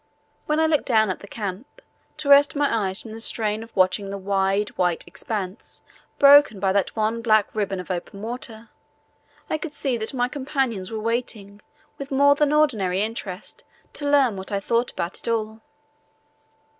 When I looked down at the camp to rest my eyes from the strain of watching the wide white expanse broken by that one black ribbon of open water, I could see that my companions were waiting with more than ordinary interest to learn what I thought about it all.